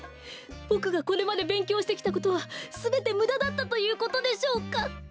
ボクがこれまでべんきょうしてきたことはすべてむだだったということでしょうか？